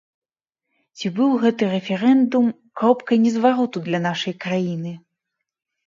Ці быў гэты рэферэндум кропкай незвароту для нашай краіны?